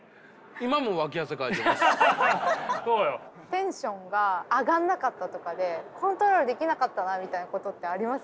テンションが上がらなかったとかでコントロールできなかったなみたいなことってあります？